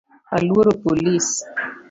Aluoro polis